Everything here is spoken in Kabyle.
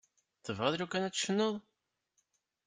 Tebɣiḍ lukan ad tecnuḍ?